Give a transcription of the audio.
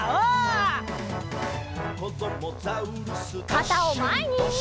かたをまえに！